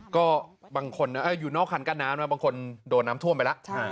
ก็บางคนอยู่นอกคันกั้นน้ำบางคนโดนน้ำท่วมไปแล้ว